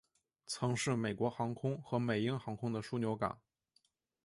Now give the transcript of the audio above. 曾是美国航空和美鹰航空的枢杻港。